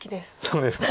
そうですか。